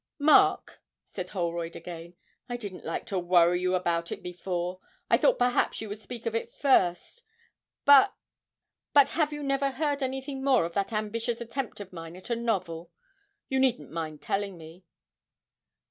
'Mark,' said Holroyd again, 'I didn't like to worry you about it before, I thought perhaps you would speak of it first; but but have you never heard anything more of that ambitious attempt of mine at a novel? You needn't mind telling me.'